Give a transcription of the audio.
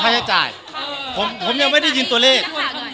ให้จ่ายผมผมยังไม่ได้ยินตัวเลข